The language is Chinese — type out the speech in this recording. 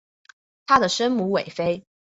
她的生母韦妃。